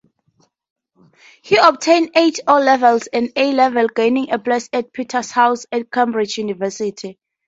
He obtained eight O-levels, and A-levels, gaining a place at Peterhouse at Cambridge University.